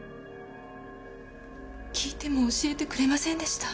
訊いても教えてくれませんでした。